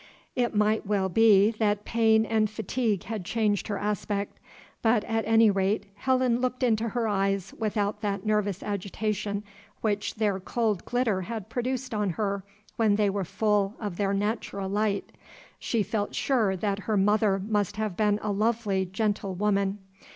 It might well be that pain and fatigue had changed her aspect; but, at any rate, Helen looked into her eyes without that nervous agitation which their cold glitter had produced on her when they were full of their natural light. She felt sure that her mother must have been a lovely, gentle woman.